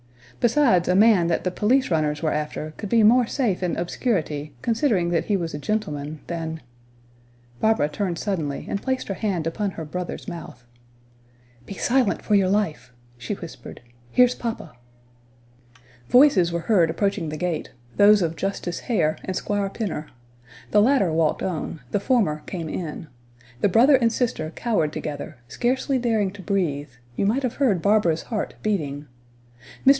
Besides, a man that the police runners were after could be more safe in obscurity, considering that he was a gentleman, than " Barbara turned suddenly, and placed her hand upon her brother's mouth. "Be silent for your life," she whispered, "here's papa." Voices were heard approaching the gate those of Justice Hare and Squire Pinner. The latter walked on; the former came in. The brother and sister cowered together, scarcely daring to breathe; you might have heard Barbara's heart beating. Mr.